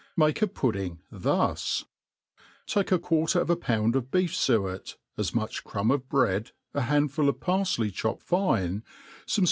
Make a pudding thus ; take a quarter of a pound of beef fuet, as much crumb of bread, a handful of parfl^y clipped fine, fpose fw.